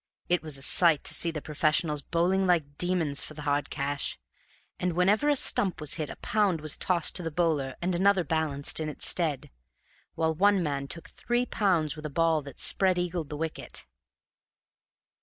It was a sight to see the professionals bowling like demons for the hard cash, for whenever a stump was hit a pound was tossed to the bowler and another balanced in its stead, while one man took £3 with a ball that spreadeagled the wicket.